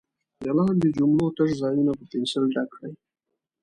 د لاندې جملو تش ځایونه په پنسل ډک کړئ.